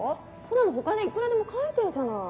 そんなのほかでいくらでも書いてるじゃない。